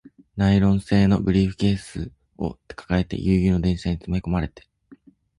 ナイロン製のブリーフケースを抱えて、ギュウギュウの電車に詰め込まれて